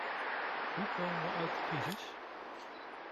Hoe komen we uit de crisis?